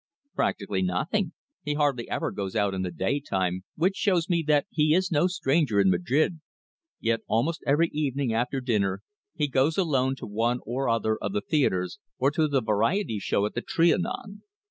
"Practically nothing. He hardly ever goes out in the daytime, which shows me that he is no stranger in Madrid. Yet almost every evening after dinner he goes alone to one or other of the theatres, or to the variety show at the Trianon.